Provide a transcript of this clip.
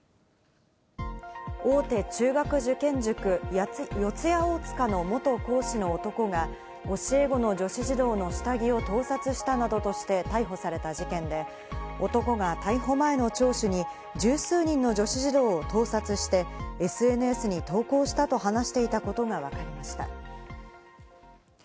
大手中学受験塾・四谷大塚の元講師の男が、教え子の女子児童の下着を盗撮したなどとして逮捕された事件で、男が逮捕前の聴取に、１０数人の女子児童を盗撮してＳＮＳに投稿したと話していたことがわかりました。